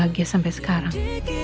bahagia sampai sekarang